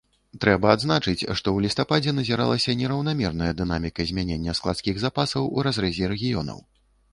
Трэба адзначыць, што ў лістападзе назіралася нераўнамерная дынаміка змянення складскіх запасаў у разрэзе рэгіёнаў.